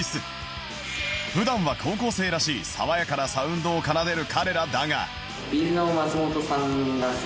普段は高校生らしい爽やかなサウンドを奏でる彼らだが